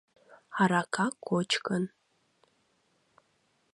АРАКА КОЧКЫН